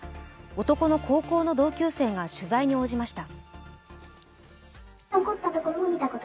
男の高校の同級生が取材に応じました。